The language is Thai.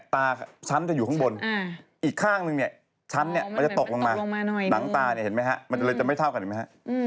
ตาชั้นจะอยู่ข้างบนอีกข้างนึงเนี่ยชั้นเนี่ยมันจะตกลงมาหนังตาเนี่ยเห็นไหมฮะมันเลยจะไม่เท่ากันเห็นไหมฮะ